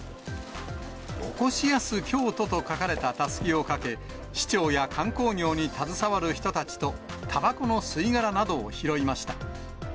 おこしやす京都と書かれたたすきをかけ、市長や観光業に携わる人たちと、たばこの吸い殻などを拾いました。